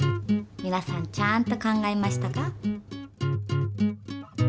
皆さんちゃんと考えましたか？